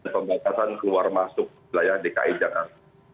pembatasan keluar masuk wilayah dki jakarta